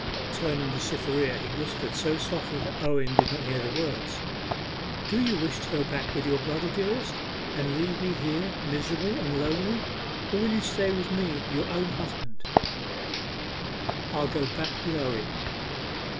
Turning to Cytherea he whispered so softly that Owen did not hear the words 'Do you wish to go back with your brother, dearest, and leave me here miserable, and lonely, or will you stay with me, your own husband.' 'I'll go back with Owen.